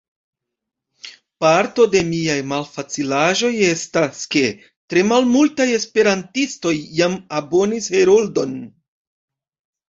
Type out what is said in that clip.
Parto de miaj malfacilaĵoj estas, ke tre malmultaj esperantistoj jam abonis Heroldon.